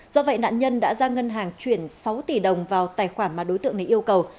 do vậy nạn nhân đã ra ngân hàng chuyển sáu tỷ đồng vào tài khoản mà đối tượng này yêu cầu